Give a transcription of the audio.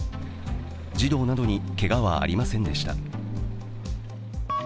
児童などにけがはありませんでした。